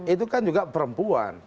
itu kan juga perempuan